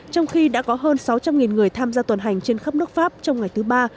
trong khi đã có hơn sáu trăm linh người tham gia tuần hành trên khắp nước pháp trong ngày thứ ba